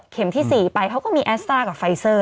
ที่๔ไปเขาก็มีแอสต้ากับไฟเซอร์